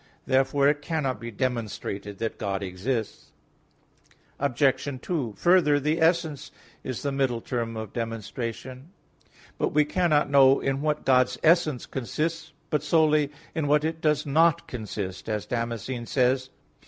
Therefore it cannot be demonstrated that God exists. Obj. 2: Further, the essence is the middle term of demonstration. But we cannot know in what God's essence consists, but solely in what it does not consist; as Damascene says (De Fide Orth.